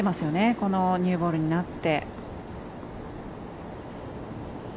このニューボールになって。